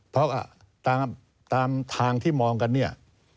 เพราะตามทางที่มองกันเนี่ย